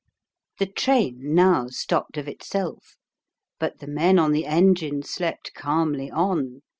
[HE train now stopped of itself, but the men on the engine slept calmly on.